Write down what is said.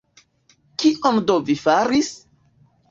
Kion do vi faris?